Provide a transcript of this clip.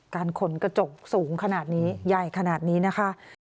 ขนกระจกสูงขนาดนี้ใหญ่ขนาดนี้นะคะ